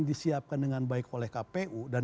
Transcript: disiapkan dengan baik oleh kpu dan